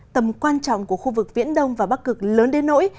tầm quan trọng của khu vực viễn đông và bắc cực lớn đến nỗi